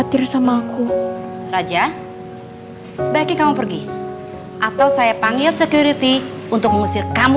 dia berani macam macam